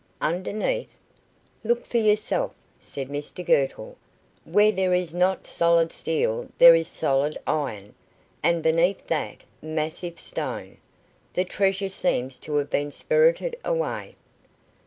"Underneath? Look for yourself," said Mr Girtle; "where there is not solid steel there is solid iron, and beneath that, massive stone. The treasure seems to have been spirited away."